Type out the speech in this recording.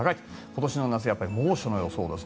今年の夏は猛暑の予想です。